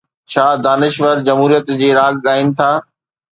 ڇا دانشور جمهوريت جي راڳ ڳائين ٿا؟